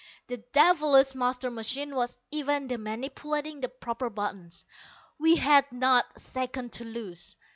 The devilish master machine was even then manipulating the proper buttons. We had not a second to lose!